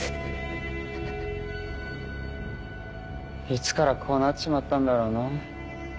いつからこうなっちまったんだろうな。